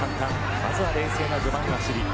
まずは冷静な序盤の走り。